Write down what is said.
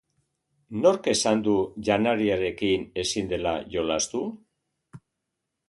Nork esan du janariarekin ezin dela jolastu?